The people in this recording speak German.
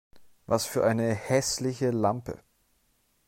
Was für eine hässliche Lampe!